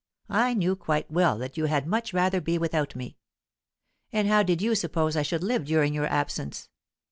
I knew quite well that you had much rather be without me. And how did you suppose I should live during your absence?